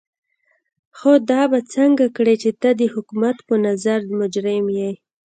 خو دا به څنګه کړې چې ته د حکومت په نظر مجرم يې.